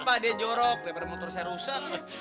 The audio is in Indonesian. pelit pak dia jorok lebar motor saya rusak